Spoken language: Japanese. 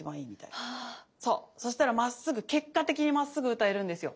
そうそしたらまっすぐ結果的にまっすぐ歌えるんですよ。